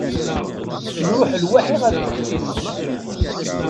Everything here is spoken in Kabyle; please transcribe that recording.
Nruḥ lwaḥi ɣer teftist.